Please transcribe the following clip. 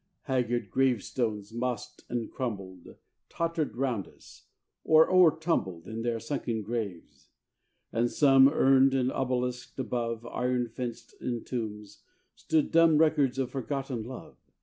Haggard grave stones, mossed and crumbled, Tottered 'round us, or o'ertumbled In their sunken graves; and some, Urned and obelisked above Iron fenced in tombs, stood dumb Records of forgotten love.